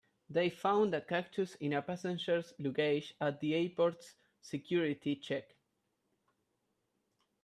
They found a cactus in a passenger's luggage at the airport's security check.